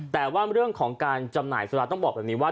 แต่ว่าเรื่องของการจำหน่ายสุราต้องบอกแบบนี้ว่า